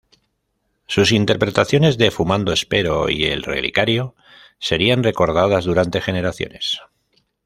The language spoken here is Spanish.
Sus interpretaciones de "Fumando espero" y "El relicario" serían recordadas durante generaciones.